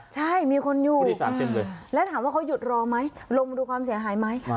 ใช่มีคนอยู่๓๐เลยแล้วถามว่าเขาหยุดรอไหมลงดูความเสียหายไหม